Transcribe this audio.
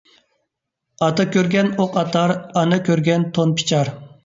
ئاتا كۆرگەن ئوق ئاتار، ئانا كۆرگەن تون پىچار.